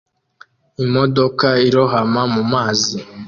Imodoka irohama mumazi